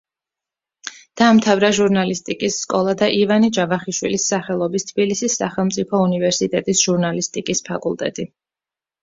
დაამთავრა ჟურნალისტიკის სკოლა და ივანე ჯავახიშვილის სახელობის თბილისის სახელმწიფო უნივერსიტეტის ჟურნალისტიკის ფაკულტეტი.